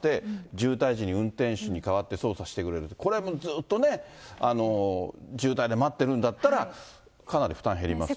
渋滞時に運転手に代わって操作してくれる、これもずっとね、渋滞で待ってるんだったら、かなり負担減りますよね。